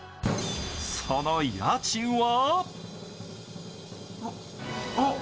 その家賃は？